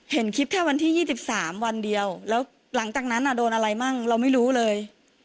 เห็นคลิปแค่วันที่๒๓วันเดียวแล้วหลังจากนั้นโดนอะไรมั่งเราไม่รู้เลย